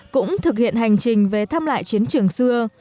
cũng thực hiện hành trình về thăm lại chiến trường xưa